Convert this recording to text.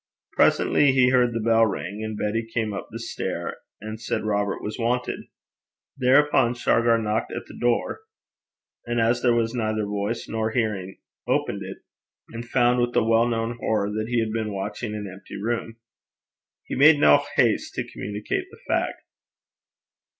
Presently he heard the bell ring, and then Betty came up the stair, and said Robert was wanted. Thereupon Shargar knocked at the door, and as there was neither voice nor hearing, opened it, and found, with a well known horror, that he had been watching an empty room. He made no haste to communicate the fact.